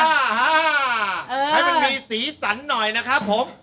ให้มันมีสีสันหน่อยนะครับผม